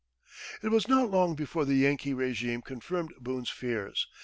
] It was not long before the Yankee régime confirmed Boone's fears.